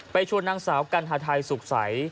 ชวนนางสาวกัณฑาไทยสุขใส